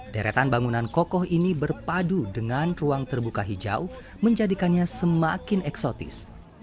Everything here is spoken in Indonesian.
deretan bangunan kokoh ini berpadu dengan ruang terbuka hijau menjadikannya semakin eksotis